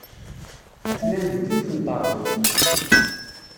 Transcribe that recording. Atnan deg yiwet n teṛbut.